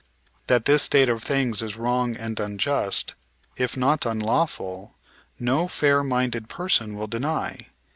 That this state of things is wrong and unjust, if not unlawful, no fair minded person will deny.